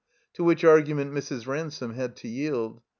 To which argument Mrs. Ransome had to yield.